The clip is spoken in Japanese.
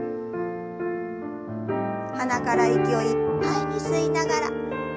鼻から息をいっぱいに吸いながら腕を上に。